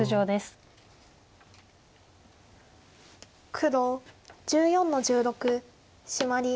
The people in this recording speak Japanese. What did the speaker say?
黒１４の十六シマリ。